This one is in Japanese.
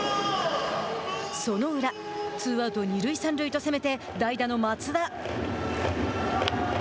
その裏、ツーアウト二塁三塁と攻めて代打の松田。